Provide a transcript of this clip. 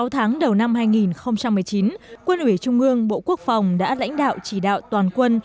sáu tháng đầu năm hai nghìn một mươi chín quân ủy trung ương bộ quốc phòng đã lãnh đạo chỉ đạo toàn quân